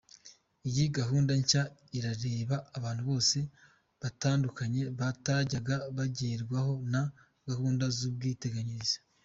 Iyi gahunda nshya irareba abantu bose batandukanye batajyaga bagenrwaho na gahunda z’ubwiteganyirize.